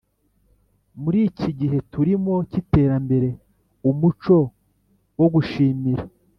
muri iki gihe turimo cy’iterambere, umuco wo gushimira